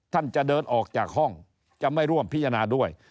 ท่านจะเดินออกจากห้องจะไม่ร่วมพิจารณาด้วย